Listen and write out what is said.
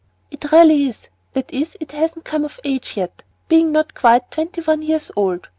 "It really is. That is, it hasn't come of age yet, being not quite twenty one years old.